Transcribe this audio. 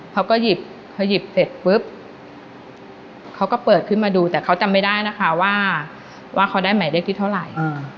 เขาก็หยิบเขาหยิบเสร็จปุ๊บเขาก็เปิดขึ้นมาดูแต่เขาจำไม่ได้นะคะว่าเขาได้หมายเลขที่เท่าไหร่